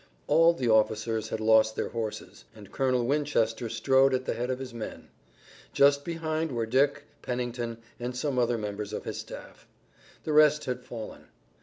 All the officers had lost their horses, and Colonel Winchester strode at the head of his men. Just behind were Dick, Pennington and some other members of his staff. The rest had fallen.